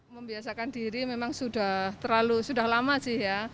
membiasakan diri memang sudah terlalu sudah lama sih ya